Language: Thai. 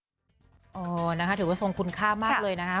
นะคะถือว่าทรงคุณค่ามากเลยนะคะ